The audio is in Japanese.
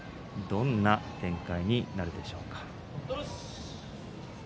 どんな展開になるでしょうか。